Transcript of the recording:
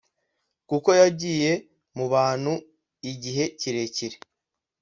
kuko yagiye mu bantu igihe kirekire